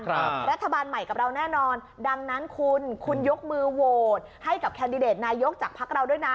รัฐบาลใหม่กับเราแน่นอนดังนั้นคุณคุณยกมือโหวตให้กับแคนดิเดตนายกจากพักเราด้วยนะ